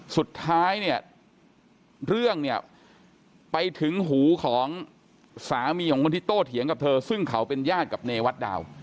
สุดท้ายเนี่ยเรื่องเนี่ยไปถึงหูของสามีของคนที่โต้เถียงกับเธอซึ่งเขาเป็นญาติกับเนวัดดาว